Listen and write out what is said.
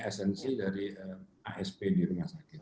itu adalah resensi dari asp di rumah sakit